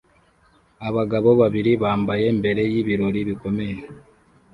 Abagabo babiri bambaye mbere y'ibirori bikomeye